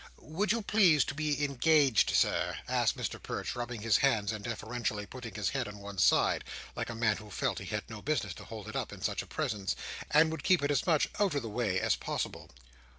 "Would you please to be engaged, Sir?" asked Mr Perch, rubbing his hands, and deferentially putting his head on one side, like a man who felt he had no business to hold it up in such a presence, and would keep it as much out of the way as possible.